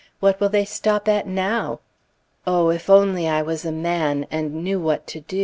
What will they stop at now? O! if I was only a man, and knew what to do!